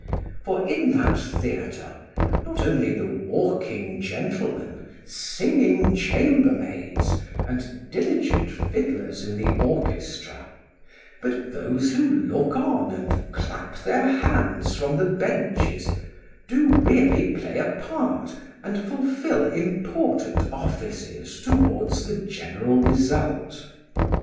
For in that Theatre not only the walking gentlemen, singing chambermaids, and diligent fiddlers in the orchestra, but those who look on and clap their hands from the benches, do really play a part and fulfil important offices towards the general result.